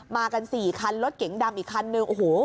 มากัน๔คันรถเก๋งดำอีกคันหนึ่ง